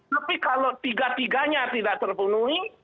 tapi kalau tiga tiganya tidak terpenuhi